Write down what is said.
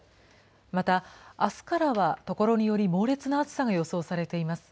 また、あすからは所により猛烈な暑さが予想されています。